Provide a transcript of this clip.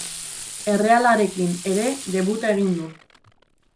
Errealarekin ere debuta egin du.